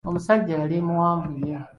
Omusajja yali muwanvu nnyo!